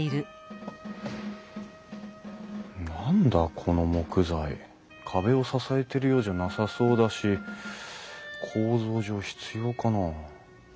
この木材壁を支えてるようじゃなさそうだし構造上必要かな？